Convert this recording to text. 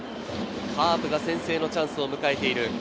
カープが先制のチャンスを迎えている。